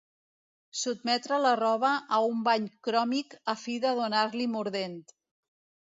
Sotmetre la roba a un bany cròmic a fi de donar-li mordent.